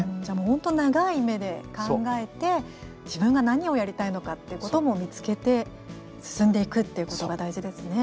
本当、長い目で考えて自分が何をやりたいのかっていうことも見つけて進んでいくっていうことが大事ですね。